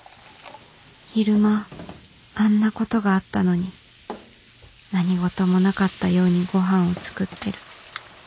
昼間あんなことがあったのに何事もなかったようにご飯を作ってる